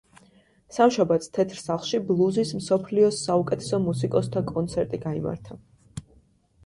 სამშაბათს თეთრ სახლში ბლუზის მსოფლიოს საუკეთესო მუსიკოსთა კონცერტი გაიმართა.